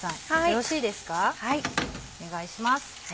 お願いします。